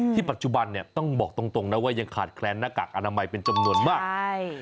ปัจจุบันเนี่ยต้องบอกตรงนะว่ายังขาดแคลนหน้ากากอนามัยเป็นจำนวนมากใช่